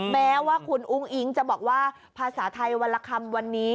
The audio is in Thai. แม้ว่าคุณอุ้งอิ๊งจะบอกว่าภาษาไทยวันละคำวันนี้